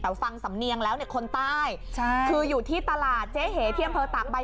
แต่ฟังสำเนียงแล้วเนี่ยคนใต้ใช่คืออยู่ที่ตลาดเจ๊เหที่อำเภอตากใบ